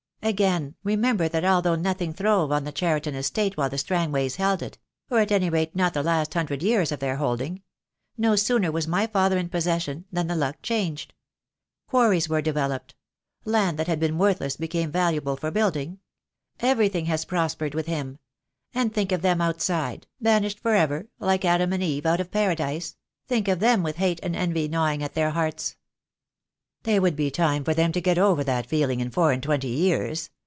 Again, remember that although nothing throve on the Cheriton Estate while the Strangways held it — or at any rate not for the last hundred years of their holding — no sooner was my father in possession than the luck changed. Quarries were developed; land that had been almost worthless became valuable for building. Everything has prospered with him. And think of them outside — banished for ever, like Adam and Eve out of Paradise. Think of them with hate and envy gnawing their hearts." THE DAY WILL COME. I 59 "There would be lime for them to get over that feel ing in four and twenty years.